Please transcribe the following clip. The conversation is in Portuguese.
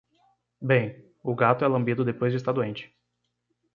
Bem, o gato é lambido depois de estar doente.